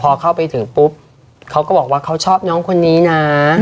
พอเข้าไปถึงปุ๊บเขาก็บอกว่าเขาชอบน้องคนนี้นะ